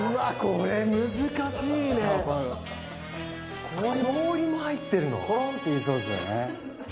これ難しいね氷も入ってるのコロンっていいそうですよね